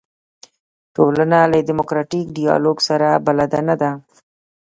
ټولنه له دیموکراتیک ډیالوګ سره بلده نه ده.